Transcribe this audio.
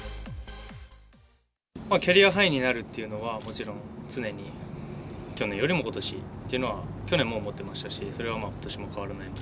キャリアハイになるっていうのはもちろん、常に去年よりもことしっていうのは、去年も思ってましたし、それはことしも変わらないので。